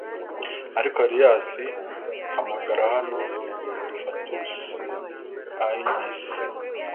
Ariko alias hamagara hano FATUUS IGNIS